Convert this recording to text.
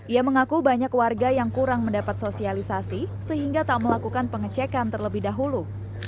ia mengaku banyak warga yang kurang mendapat sosialisasi sehingga tak melakukan pengecekan terlebih dahulu